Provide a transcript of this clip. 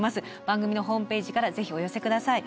番組のホームページから是非お寄せください。